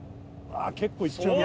結構行っちゃうな。